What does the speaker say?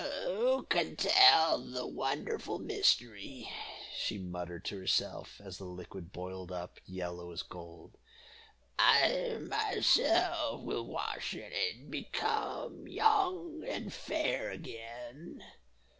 "Who can tell the wonderful mystery," she muttered to herself, as the liquid boiled up yellow as gold. "I myself will wash in it, and become young and fair again."